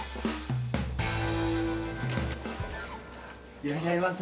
いらっしゃいませ。